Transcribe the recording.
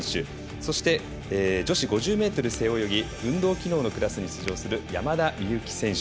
そして、女子５０ｍ背泳ぎ運動機能のクラスに出場する山田美幸選手。